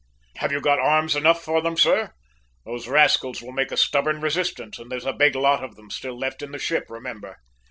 "Have you got arms enough for them, sir? Those rascals will make a stubborn resistance, and there's a big lot of them still left in the ship, remember!"